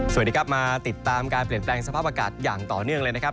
สวัสดีครับมาติดตามการเปลี่ยนแปลงสภาพอากาศอย่างต่อเนื่องเลยนะครับ